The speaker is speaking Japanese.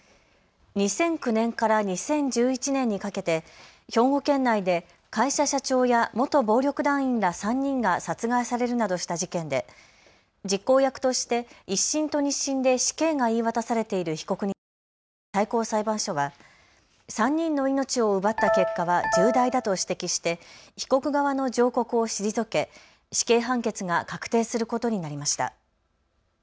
２００９年から２０１１年にかけて兵庫県内で会社社長や元暴力団員ら３人が殺害されるなどした事件で実行役として１審と２審で死刑が言い渡されている被告について最高裁判所は３人の命を奪った結果は重大だと指摘して被告側の上告を退け死刑判決が確定することになりました。